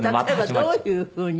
例えばどういうふうに？